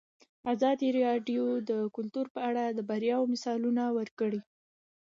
ازادي راډیو د کلتور په اړه د بریاوو مثالونه ورکړي.